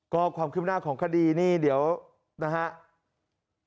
ก็ความคิดไม่นานของคดีนี้เดี๋ยวนะครับ